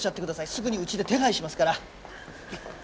すぐにうちで手配しますから。